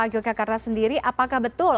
yogyakarta sendiri apakah betul